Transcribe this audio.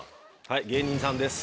はい芸人さんです。